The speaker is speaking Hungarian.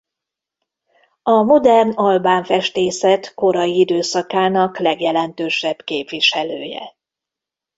A modern albán festészet korai időszakának legjelentősebb képviselője.